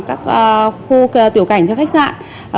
các khu tiểu cảnh cho khách sạn